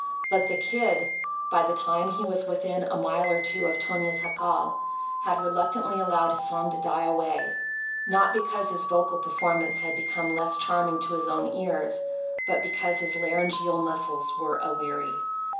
So the Kid, by the time he was within a mile or two of Tonia's jacal, had reluctantly allowed his song to die away—not because his vocal performance had become less charming to his own ears, but because his laryngeal muscles were aweary.